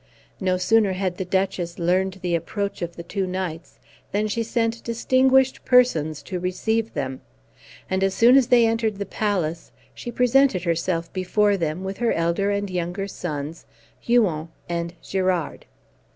No sooner had the Duchess learned the approach of the two knights, than she sent distinguished persons to receive them; and as soon as they entered the palace she presented herself before them, with her elder and younger sons, Huon and Girard.